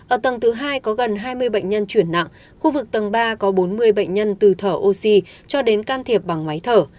ở tầng thứ hai có gần hai mươi bệnh nhân chuyển nặng khu vực tầng ba có bốn mươi bệnh nhân từ thở oxy cho đến can thiệp bằng máy thở